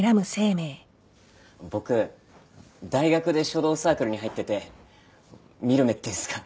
僕大学で書道サークルに入ってて見る目っていうんすか？